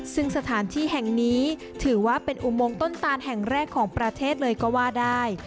ซึ่งสถานที่แห่งนี้ถือว่าเป็นอุโมงต้นตานแห่งแรกของประเทศเลยก็ว่าได้